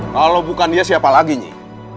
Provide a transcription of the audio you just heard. kalau bukan dia siapa lagi nih